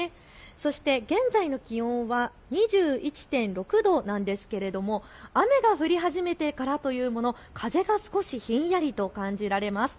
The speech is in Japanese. そして現在の気温は２１．６度なんですけれども雨が降り始めてからというもの風が少しひんやりと感じられます。